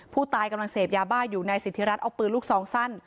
ผู้ตายกำลังเสพยาบ้าอยู่นายสิทธิรัฐเอาปืนลูกซองสั้น